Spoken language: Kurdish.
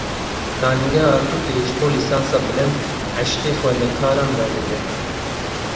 Zanîngeha Artûklûyê ji bo lîsansa bilind heştê xwendekaran werdigre.